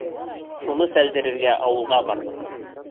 Шуны сәлдерергә ауылға барҙым.